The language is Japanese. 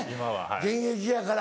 現役やから。